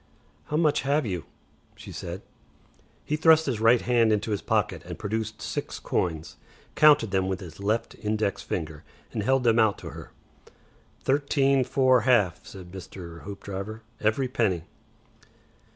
"How much have you?" she said. He thrust his right hand into his pocket and produced six coins, counted them with his left index finger, and held them out to her. "Thirteen four half," said Mr. Hoopdriver. "Every penny."